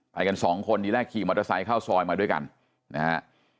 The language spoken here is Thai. ไปกันสองคนทีแรกขี่มอเตอร์ไซค์เข้าซอยมาด้วยกันนะฮะ